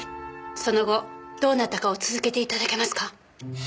その後どうなったかを続けて頂けますか。